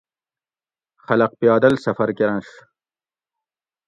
خلق پیادل سفر کرنش